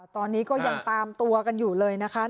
ตอนนี้ก็ยังตามตัวกันอยู่เลยนะคะ